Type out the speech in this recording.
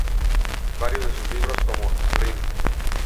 Varios de sus libros, como "Slim.